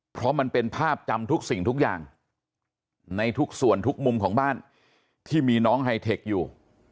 เพราะมันเป็นภาพจำทุกสิ่งทุกอย่างในทุกส่วนทุกมุมของบ้านที่มีน้องไฮเทคอยู่